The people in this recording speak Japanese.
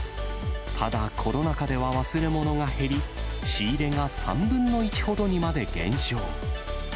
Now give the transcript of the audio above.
ただ、コロナ禍では忘れ物が減り、仕入れが３分の１ほどにまで減少。